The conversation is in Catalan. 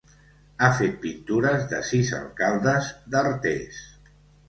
Ha fet pintures de sis alcaldes d'Artés.